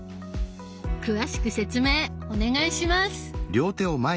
詳しく説明お願いします。